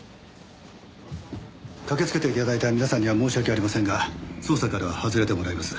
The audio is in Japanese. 駆けつけて頂いた皆さんには申し訳ありませんが捜査からは外れてもらいます。